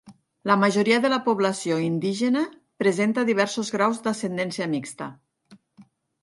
La majoria de la població indígena presenta diversos graus d'ascendència mixta.